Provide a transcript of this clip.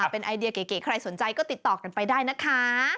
เป็นไอเดียเก๋ใครสนใจก็ติดต่อกันไปได้นะคะ